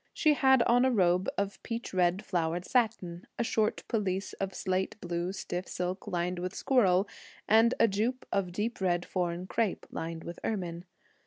She had on a robe of peach red flowered satin, a short pelisse of slate blue stiff silk, lined with squirrel, and a jupe of deep red foreign crepe, lined with ermine.